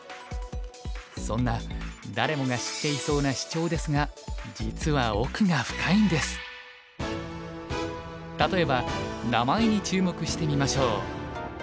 そんな誰もが知っていそうなシチョウですが実は例えば名前に注目してみましょう。